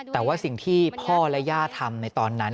แต่ว่าสิ่งที่พ่อและย่าทำในตอนนั้น